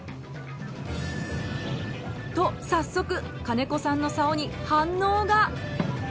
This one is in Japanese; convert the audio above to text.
と早速兼子さんの竿に反応が。